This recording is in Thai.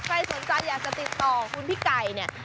ใครสนใจอยากจะติดต่อคุณพี่ไก่เนี่ย